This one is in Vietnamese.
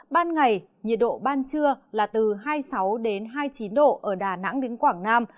ban ngày nhiệt độ ban trưa là từ hai mươi sáu hai mươi chín độ ở đà nẵng đến quảng nam